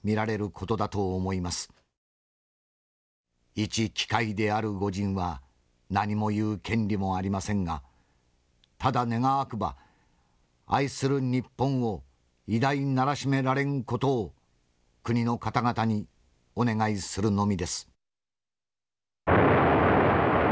一機械である吾人は何も言う権利もありませんがただ願わくば愛する日本を偉大ならしめられん事を国の方々にお願いするのみです」。